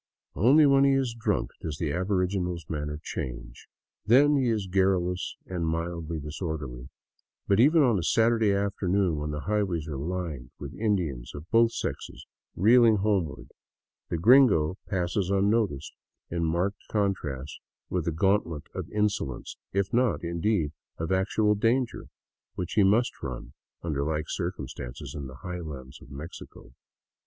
Only when he is drunk does the aboriginal's man ner change. Then he is garrulous and mildly disorderly. But even on a Saturday afternoon, when the highways are lined with Indians of both sexes reeling homeward, the gringo passes unnoticed, in marked con trast with the gantlet of insolence, if not, indeed, of actual danger, which he must run under like circumstances in the highlands of Mexico.